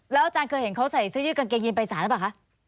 อาจารย์เคยเห็นเขาใส่เสื้อยืดกางเกงยีนไปสารหรือเปล่าคะ